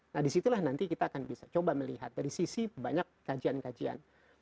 nah disitulah nanti kita akan bisa coba melihat dari sisi banyak kajian kajian